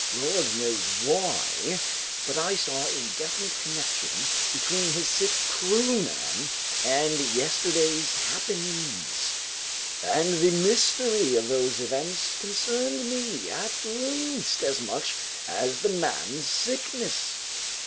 Lord knows why, but I saw a definite connection between this sick crewman and yesterday's happenings, and the mystery of those events concerned me at least as much as the man's sickness.